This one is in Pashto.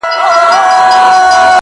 او د دنيا له لاسه~